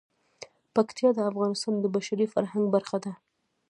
پکتیا د افغانستان د بشري فرهنګ برخه ده.